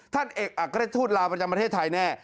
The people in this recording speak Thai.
ท่านเอกอักเลศทูตลาวประจำประเทศไทยแน่